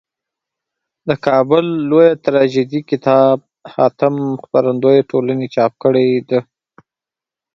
دکابل لویه تراژیدي کتاب حاتم خپرندویه ټولني چاپ کړیده.